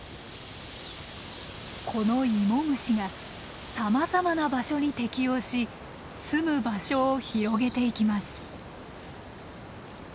このイモムシがさまざまな場所に適応しすむ場所を広げていきます。